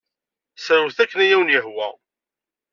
Srewtet akken ay awen-yehwa.